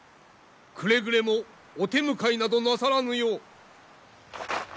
くれぐれもお手向かいなどなさらぬよう。